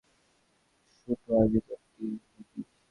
শুটু, আজই তোর টিকেটটা নিয়ে নিস।